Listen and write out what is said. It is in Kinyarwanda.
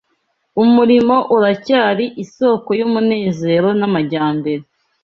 umurimo uracyari isōko y’umunezero n’amajyambere